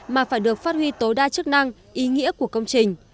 mà phải được phát huy tối đa chức năng ý nghĩa của công trình